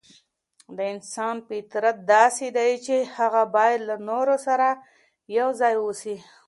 د انسان فطرت داسې دی چي هغه بايد له نورو سره يو ځای واوسي.